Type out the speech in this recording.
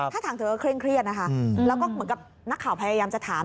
ถ้าทางเธอก็เคร่งเครียดนะคะแล้วก็เหมือนกับนักข่าวพยายามจะถาม